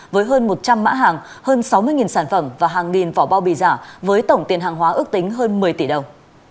với hơn một trăm linh mã hàng hơn sáu mươi sản phẩm và hàng nghìn vỏ bao bì giả với tổng tiền hàng hóa ước tính hơn một mươi tỷ đồng